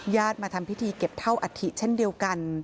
มาทำพิธีเก็บเท่าอัฐิเช่นเดียวกัน